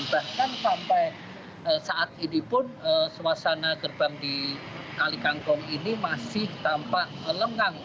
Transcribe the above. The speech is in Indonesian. bahkan sampai saat ini pun suasana gerbang di kalikangkung ini masih tampak lengang